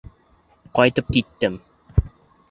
Ҡайтып киттем.